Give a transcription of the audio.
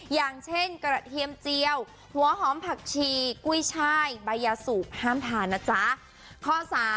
อย่างเช่นกระเทียมเจียวหัวหอมผักชีกุ้ยช่ายใบยาสูบห้ามทานนะจ๊ะข้อ๓